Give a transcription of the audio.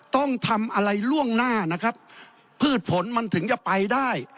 ต้องทำอะไรล่วงหน้านะครับพืชผลมันถึงจะไปได้